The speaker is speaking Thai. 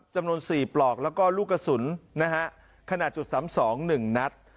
จำนวน๔ปลอกแล้วก็ลูกกระสุนขณะจุดสามสองหนึ่งนัด